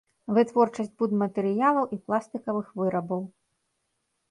Вытворчасць будматэрыялаў і пластыкавых вырабаў.